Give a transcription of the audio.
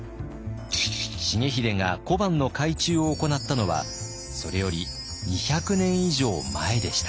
重秀が小判の改鋳を行ったのはそれより２００年以上前でした。